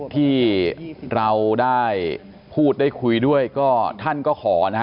ที่เราได้พูดได้คุยด้วยก็ท่านก็ขอนะฮะ